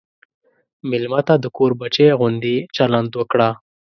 مېلمه ته د کور بچی غوندې چلند وکړه.